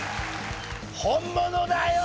本物だよ。